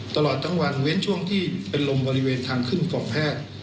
ตลอดทั้งวันเว้นช่วงที่เป็นลมบริเวณทางขึ้นของแพทย์